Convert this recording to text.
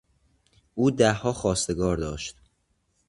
او دهها خواستگار داشت.